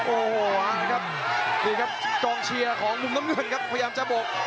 โอ้โหครับนี่ครับกองเชียร์ของมุมน้ำเงินครับพยายามจะบก